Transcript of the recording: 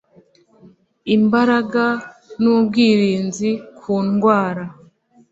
imbaraga n'ubwirinzi ku ndwara